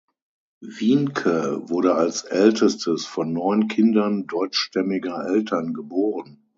Wiencke wurde als ältestes von neun Kindern deutschstämmiger Eltern geboren.